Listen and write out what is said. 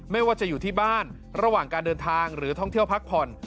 ไม่ว่าจะอยู่ที่บ้านระหว่างการเดินทางหรือท่องเที่ยวพักผ่อน